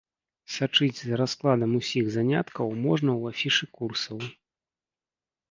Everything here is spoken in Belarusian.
Сачыць за раскладам усіх заняткаў можна ў афішы курсаў.